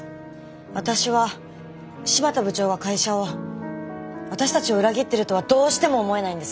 私は新発田部長が会社を私たちを裏切ってるとはどうしても思えないんです。